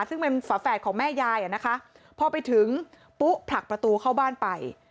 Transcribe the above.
ซึ่งเป็นฝาแฝดของแม่ยายอ่ะนะคะพอไปถึงปุ๊ผลักประตูเข้าบ้านไป